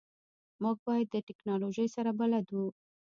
موږ باید د تکنالوژی سره بلد وو